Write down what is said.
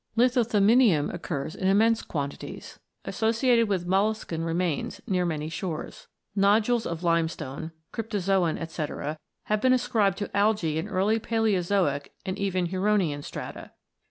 Lithothamnium occurs in immense quantities, associ ated with molluscan remains, near many shores. No dules of limestone (Cryptozoon &c.) have been ascribed to algae in early Palaeozoic and even Huronian strata.